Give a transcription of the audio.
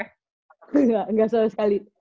enggak enggak sama sekali